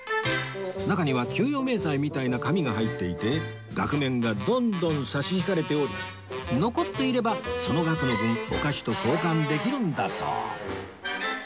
中には給与明細みたいな紙が入っていて額面がどんどん差し引かれており残っていればその額の分お菓子と交換できるんだそう